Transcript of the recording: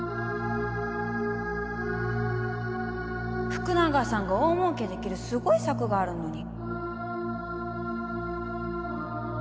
福永さんが大もうけできるすごい策があるのに